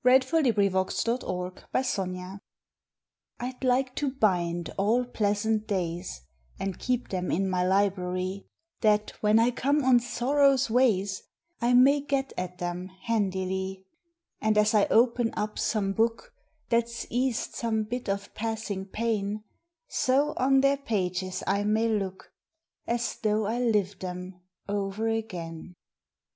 August First A LIBRARY OF DAYS I D like to bind all pleasant days ^ And keep them in my library, That when I come on sorrow s ways I may get at them handily; And as I open up some book That s eased some bit of passing pain, So on their pages I may look As tho I lived them o er again.